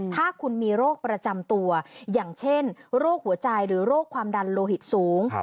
ถ้าคุณมีโรคประจำตัวอย่างเช่นโรคหัวใจหรือโรคความดันโลหิตสูง